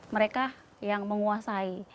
mereka yang menguasai